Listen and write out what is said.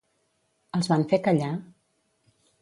Els van fer callar?